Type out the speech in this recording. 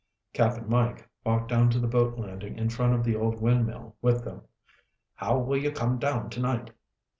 Cap'n Mike walked down to the boat landing in front of the old windmill with them. "How will you come down tonight?"